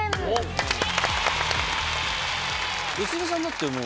良純さんだってもう。